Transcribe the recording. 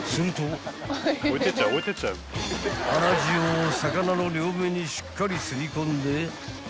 ［あら塩を魚の両面にしっかり擦り込んで］